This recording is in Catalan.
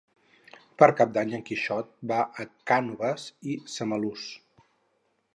Per Cap d'Any en Quixot va a Cànoves i Samalús.